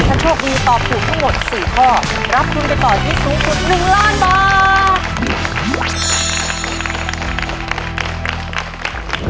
ถ้าโชคดีตอบถูกทั้งหมด๔ข้อรับทุนไปต่อชีวิตสูงสุด๑ล้านบาท